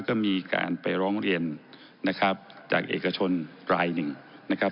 ก็มีการไปร้องเรียนนะครับจากเอกชนรายหนึ่งนะครับ